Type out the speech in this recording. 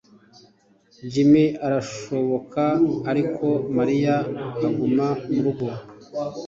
Jim arasohoka ariko Mariya aguma mu rugo